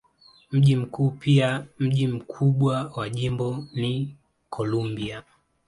Mji mkuu pia mji mkubwa wa jimbo ni Columbia.